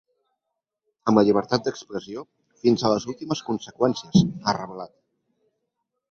Amb la llibertat d’expressió, fins a les últimes conseqüències, ha reblat.